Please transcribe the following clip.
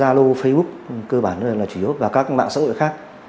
zalo facebook cơ bản là chủ yếu và các mạng xã hội khác